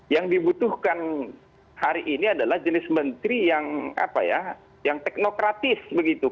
yang dibutuhkan hari ini adalah jenis menteri yang teknokratis begitu